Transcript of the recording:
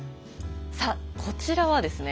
さあこちらはですね